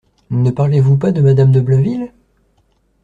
Ne parlez-vous pas de madame de Blainville ?